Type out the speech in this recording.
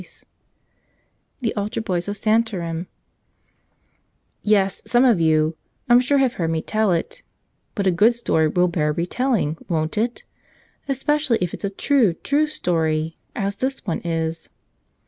79 Cfce aitac T5ogs of Santarem ES; SOME of you, I'm sure have heard me tell it; but a good story will bear retelling, won't it, especially if it's a true, true story, as this one is.